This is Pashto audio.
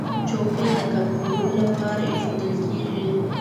چوکۍ د کافي خوړلو لپاره ایښودل کېږي.